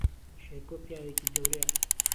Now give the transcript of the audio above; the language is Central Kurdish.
شێرکۆ پیاوێکی گەورەیە